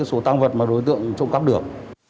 số tăng vật mà đối tượng trộm cắp được